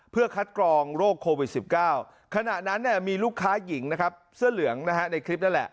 เพื่อคัดกรองโรคโควิด๑๙ขณะนั้นเนี่ยมีลูกค้าหญิงนะครับเสื้อเหลืองนะฮะในคลิปนั่นแหละ